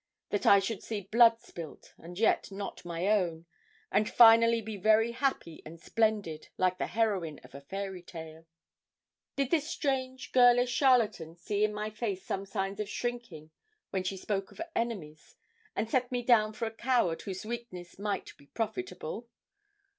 That I should see blood spilt and yet not my own, and finally be very happy and splendid, like the heroine of a fairy tale. Did this strange, girlish charlatan see in my face some signs of shrinking when she spoke of enemies, and set me down for a coward whose weakness might be profitable?